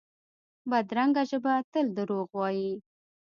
بدرنګه ژبه تل دروغ وايي